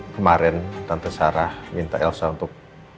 kemarin tante sarah minta elsa untuk